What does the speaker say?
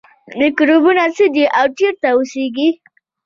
میکروبونه څه دي او چیرته اوسیږي